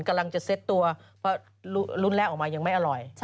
กำลังจะเซ็ตตัวเพราะรุ่นแรกออกมายังไม่อร่อย